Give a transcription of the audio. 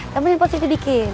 kamu yang positi bikin